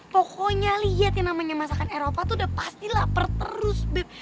pokoknya lihat yang namanya masakan eropa tuh udah pasti lapar terus bek